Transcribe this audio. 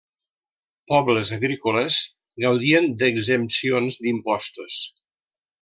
Pobles agrícoles gaudien d'exempcions d'impostos.